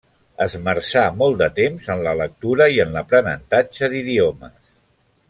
Esmerçà molt de temps en la lectura i en l’aprenentatge d’idiomes.